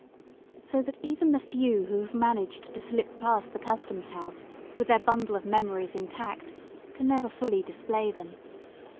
So that even the few who have managed to slip past the Customs house with their bundle of memories intact can never fully display them.